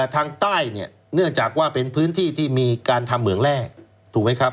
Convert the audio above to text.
ทางใต้เนี่ยเนื่องจากว่าเป็นพื้นที่ที่มีการทำเหมืองแร่ถูกไหมครับ